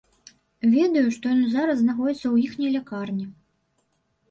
Ведаю, што ён зараз знаходзіцца ў іхняй лякарні.